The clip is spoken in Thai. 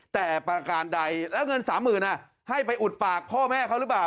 แต่ประการใดแล้วเงิน๓๐๐๐ให้ไปอุดปากพ่อแม่เขาหรือเปล่า